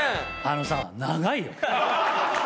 あのさ長いよ。